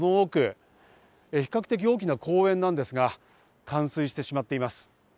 この奥、比較的大きな公園なんですが冠水してしまっています。